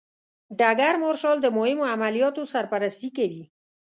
ډګر مارشال د مهمو عملیاتو سرپرستي کوي.